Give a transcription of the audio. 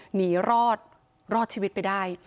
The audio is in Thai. หนีรอดรอดชีวิตไปได้